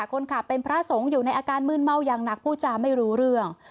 คนขับเป็นพระสงฆ์อยู่ในอาการมืนเมาอย่างหนักพูดจาไม่รู้เรื่อง